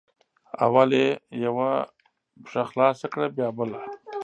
اول یې یوه پښه خلاصه کړه بیا بله